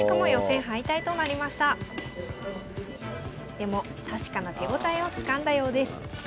でも確かな手応えをつかんだようです。